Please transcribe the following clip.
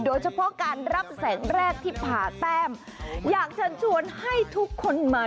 โดยเฉพาะการรับแสงแรกที่ผ่าแต้มอยากเชิญชวนให้ทุกคนมา